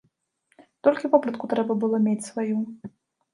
Толькі вопратку трэба было мець сваю.